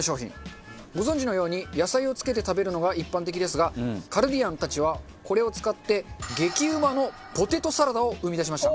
ご存じのように野菜をつけて食べるのが一般的ですがカルディアンたちはこれを使って激うまのポテトサラダを生み出しました。